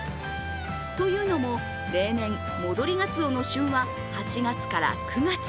というのも、例年、戻りがつおの旬は８月から９月。